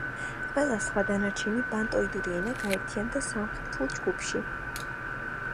ყველა სხვა დანარჩენი ბანტოიდური ენა გაერთიანდა სამხრეთულ ჯგუფში.